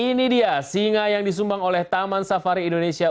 ini dia singa yang disumbang oleh taman safari indonesia